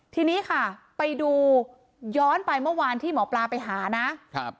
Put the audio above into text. ทีนี้ค่ะไปดูย้อนไปเมื่อวานที่หมอปลาไปหานะครับ